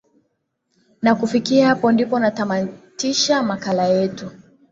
na kufikia hapo ndipo natamatisha makala yetu